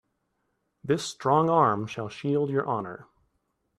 This strong arm shall shield your honor.